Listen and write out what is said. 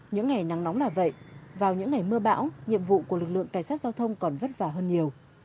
những ngày nắng nóng là vậy vào những ngày mưa bão nhiệm vụ của lực lượng cảnh sát giao thông còn vất vả hơn nhiều